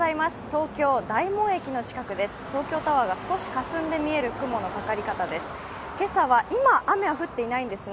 東京タワーが少しかすんで見える雲のかかり方です。